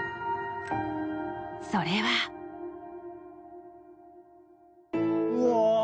［それは］うわ。